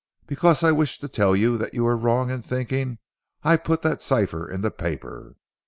"Because I wish to tell you that you are wrong in thinking I put that cipher in the paper.